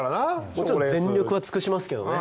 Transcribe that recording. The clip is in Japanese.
もちろん全力は尽くしますけどね。